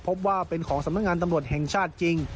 พบว่าเป็นของสำนักงานตำรวจแห่งชาติจริง